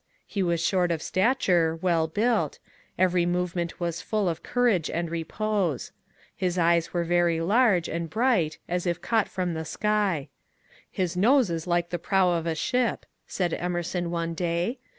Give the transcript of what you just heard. He was short of stature, well built ; every move ment was full of courage and repose ; his eyes were very large, and bright, as if caught from the sky. '^ His nose is like the prow of a ship," said Emerson one day.